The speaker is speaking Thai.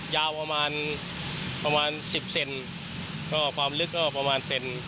ยาวประมาณ๑๐เซน